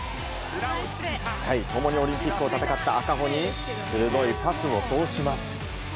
共にオリンピックを戦った赤穂に鋭いパスを通します。